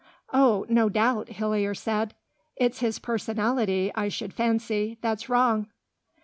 "Oh, no doubt," Hillier said. "It's his personality, I should fancy, that's wrong."